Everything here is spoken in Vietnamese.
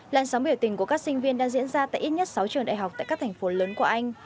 làn sóng biểu tình của các sinh viên đang diễn ra tại ít nhất sáu trường đại học tại các thành phố lớn của anh